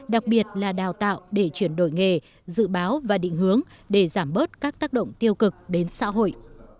đặc biệt là đào tạo để chuyển đổi nghề dự báo và định hướng để giảm bớt các tác động tiêu cực đến xã hội